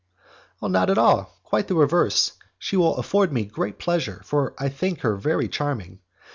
"Not at all, quite the reverse, she will afford me great pleasure, for I think her very charming.